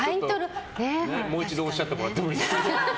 もう一度おっしゃってもらってもいいですか？